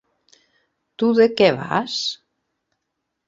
Tu de què vas?